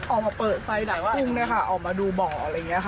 ออกมาเปิดไฟดักกุ้งออกมาดูบ่ออะไรอย่างนี้ค่ะ